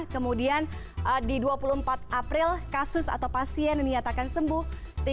kemudian di dua puluh empat april kasus atau pasien dinyatakan sembuh tiga ratus dua puluh tujuh